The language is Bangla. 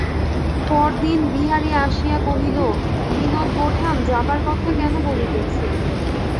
পরদিন বিহারী আসিয়া কহিল, বিনোদ-বোঠান, যাবার কথা কেন বলিতেছেন।